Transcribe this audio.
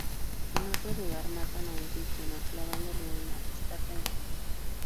En otro lugar, matan a un cristiano clavándole una estaca en el cuerpo.